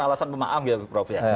alasan pemaaf ya prof ya